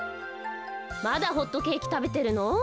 まだホットケーキたべてるの？